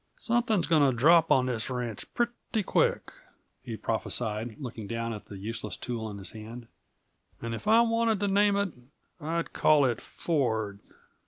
"Something's going to drop on this ranch, pretty quick," he prophesied, looking down at the useless tool in his hand. "And if I wanted to name it, I'd call it Ford."